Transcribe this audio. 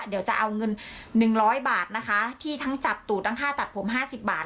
เดี๋ยวจะเอาเงิน๑๐๐บาทนะคะที่ทั้งจับตูดทั้งค่าตัดผม๕๐บาท